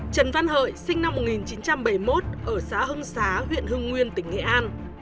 trần văn hợi sinh năm một nghìn chín trăm bảy mươi một ở xã hưng xá huyện hưng nguyên tỉnh nghệ an